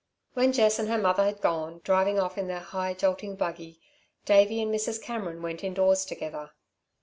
When Jess and her mother had gone, driving off in their high, jolting buggy, Davey and Mrs. Cameron went indoors together.